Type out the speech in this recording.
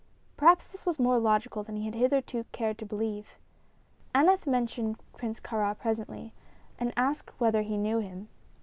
Perhaps this was more logical than he had hitherto cared to believe. Aneth mentioned Prince Kāra presently, and asked whether he knew him.